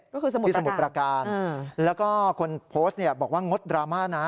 ก็คือสมุดประกาศแล้วก็คนโพสต์บอกว่างดดราม่านะ